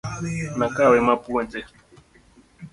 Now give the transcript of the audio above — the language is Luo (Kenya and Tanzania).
Nakawe mapuonje .